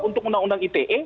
untuk undang undang ite